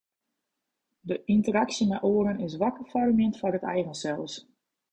De ynteraksje mei oaren is wakker foarmjend foar it eigen sels.